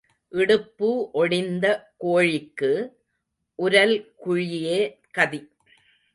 இடுப்பு ஒடிந்த கோழிக்கு உரல் குழியே கதி.